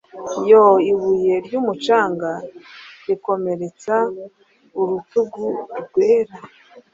Yoo ibuye ryumucanga rikomeretsa urutugu rwera